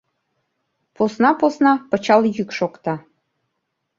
Посна-посна пычал йӱк шокта.